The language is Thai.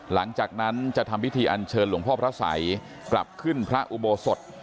หลังจากนั้นจะทำพิธีอันเชิญหลวงพ่อพระสัยกลับขึ้นพระอุโบสถ